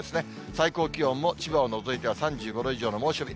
最高気温も千葉を除いては３５度以上の猛暑日。